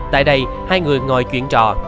tại đây hai người ngồi chuyển trò